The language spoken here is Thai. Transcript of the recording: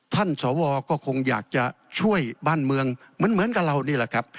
สวก็คงอยากจะช่วยบ้านเมืองเหมือนกับเรานี่แหละครับ